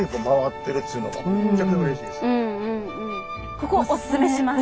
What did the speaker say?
ここおすすめします。